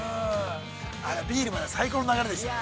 ビールもまた最高の流れでしたね。